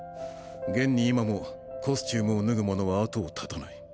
現に今もコスチュームを脱ぐものは後を絶たない。